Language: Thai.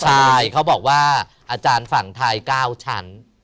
ใช่เขาบอกว่าอาจารย์ฝังไทยก้าวฉัน